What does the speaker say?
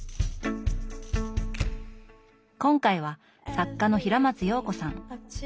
今回は作家の平松洋子さん。